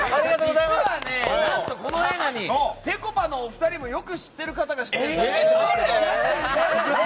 実は何と、この映画にぺこぱのお二人もよく知っている方が出演されてるんですけど。